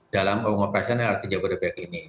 dalam pengoperasian lrt jabodebek ini